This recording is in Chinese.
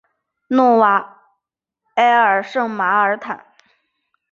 努瓦埃尔圣马尔坦。